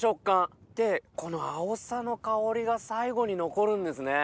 でこのあおさの香りが最後に残るんですね。